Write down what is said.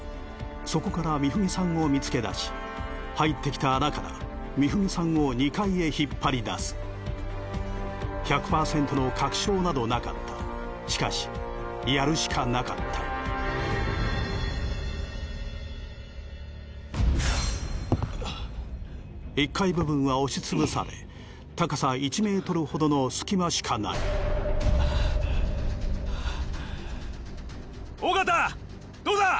そこから美文さんを見つけだし入ってきた穴から美文さんを２階へ引っ張り出す１００％の確証などなかったしかしやるしかなかった１階部分は押し潰され高さ１ｍほどのすき間しかないはあはあ